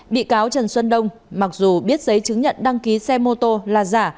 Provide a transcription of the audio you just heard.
bị cáo trần xuân đông mặc dù biết giấy chứng nhận đăng ký xe mô tô là giả